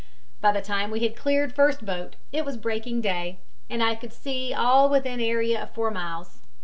By the time we had cleared first boat it was breaking day, and I could see all within area of four miles.